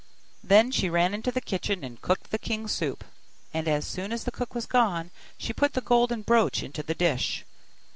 Then she ran into the kitchen, and cooked the king's soup; and as soon as the cook was gone, she put the golden brooch into the dish.